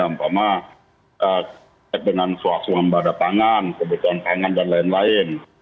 pertama dengan suasuan badatangan kebutuhan tangan dan lain lain